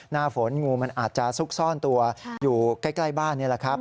หน้าฝนงูมันอาจจะซุกซ่อนตัวอยู่ใกล้บ้านนี่แหละครับ